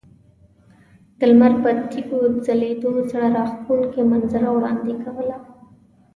د لمر پر تیږو ځلیدو زړه راښکونکې منظره وړاندې کوله.